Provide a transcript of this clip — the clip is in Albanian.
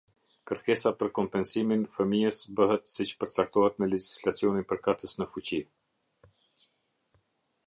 Kërkesa për kompensimin fëmijës bëhet siç përcaktohet me legjislacionin përkatës në fuqi.